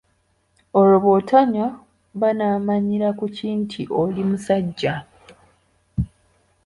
Olwo bw'otanywa banaamanyira ku ki nti oli musajja?